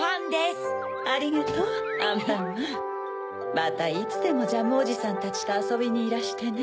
またいつでもジャムおじさんたちとあそびにいらしてね。